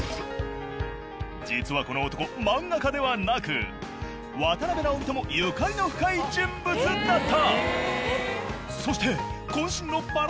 実はこの男漫画家ではなく渡辺直美ともゆかりの深い人物だった！